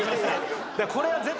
これは絶対。